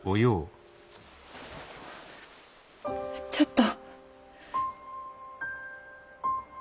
ちょっと。